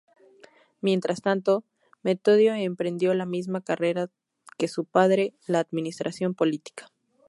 Mientras tanto, Metodio emprendió la misma carrera que su padre: la administración política.